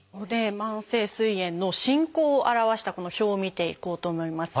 慢性すい炎の進行を表したこの表を見ていこうと思います。